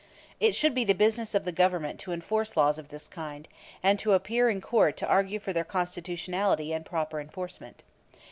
It should be the business of the Government to enforce laws of this kind, and to appear in court to argue for their constitutionality and proper enforcement.